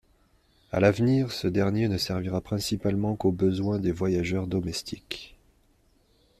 À l’avenir, ce dernier ne servira principalement qu’aux besoins des voyageurs domestiques.